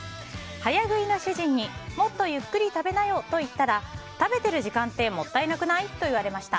早食いの主人にもっとゆっくり食べなよと言ったら食べている時間ってもったいなくない？って言われました。